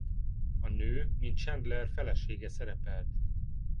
A nő mint Chandler felesége szerepelt.